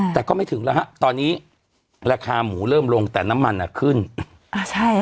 แต่ก็ไม่ถึงแล้วฮะตอนนี้ราคาหมูเริ่มลงแต่น้ำมันอ่ะขึ้นอ่าใช่ค่ะ